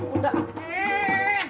udah aku ngepel aja ya